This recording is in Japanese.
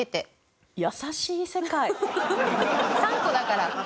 ３個だから。